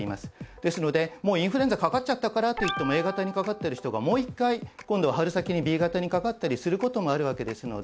ですのでもうインフルエンザかかっちゃったからといってもＡ型にかかってる人がもう一回今度は春先にＢ型にかかったりする事もあるわけですので。